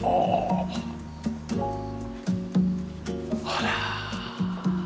あら。